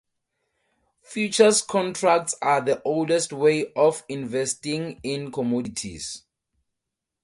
Futures contracts are the oldest way of investing in commodities.